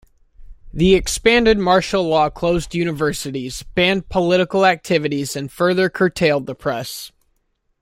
The expanded martial law closed universities, banned political activities and further curtailed the press.